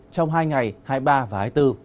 trong hai ngày hai mươi ba và hai mươi bốn